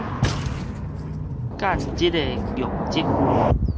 間日的瘧疾